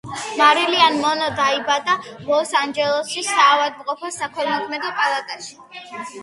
მერილინ მონრო დაიბადა ლოს-ანჯელესის საავადმყოფოს საქველმოქმედო პალატაში.